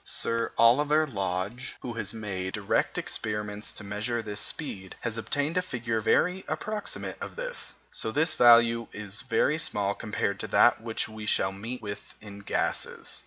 Sir Oliver Lodge, who has made direct experiments to measure this speed, has obtained a figure very approximate to this. This value is very small compared to that which we shall meet with in gases.